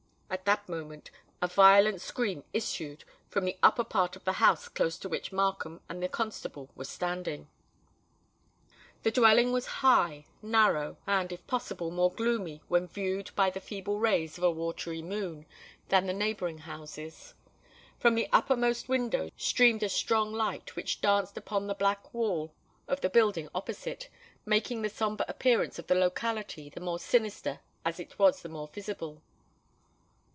At that moment a violent scream issued from the upper part of the house close to which Markham and the constable were standing. The dwelling was high, narrow, and, if possible, more gloomy, when viewed by the feeble rays of a watery moon, than the neighbouring houses. From the uppermost window streamed a strong light, which danced upon the black wall of the building opposite, making the sombre appearance of the locality the more sinister as it was the more visible.